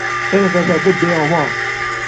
El g’azabi — beomon.